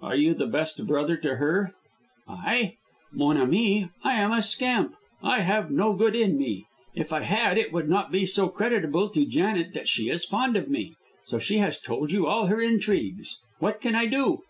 "Are you the best brother to her?" "I? Mon, ami, I am a scamp. I have no good in me. If I had it would not be so creditable to Janet that she is fond of me. So she has told you all her intrigues. What can I do?"